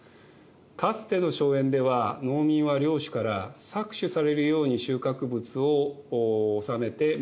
かつての荘園では農民は領主から搾取されるように収穫物を納めて身を守ってもらっていました。